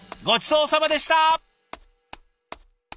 ごちそうさまでした！